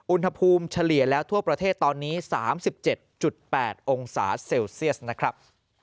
เฉลี่ยแล้วทั่วประเทศตอนนี้๓๗๘องศาเซลเซียสนะครับ